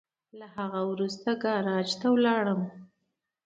له هغه وروسته ګاراج ته ولاړم.